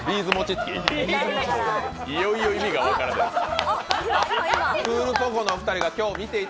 いよいよ意味が分からない。